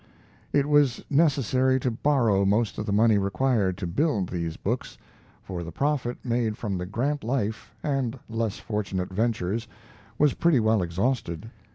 It was necessary to borrow most of the money required to build these books, for the profit made from the Grant Life and less fortunate ventures was pretty well exhausted.